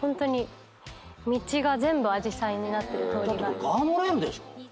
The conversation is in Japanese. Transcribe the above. これガードレールでしょ？